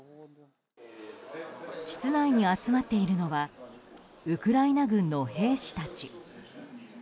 室内に集まっているのはウクライナ軍の兵士たち。